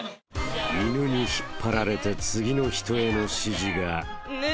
［「犬」に引っ張られて次の人への指示が］ぬ。